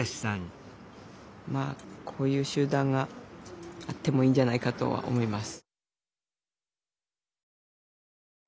まあこういう集団があってもいいんじゃないかとは思います。